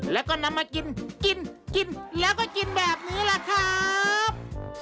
แล้วก็นำมากินกินกินแล้วก็กินแบบนี้แหละครับ